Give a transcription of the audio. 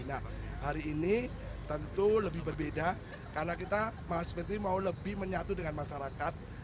nah hari ini tentu lebih berbeda karena kita mas menteri mau lebih menyatu dengan masyarakat